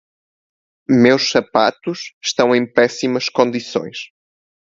Meus sapatos estão em péssimas condições.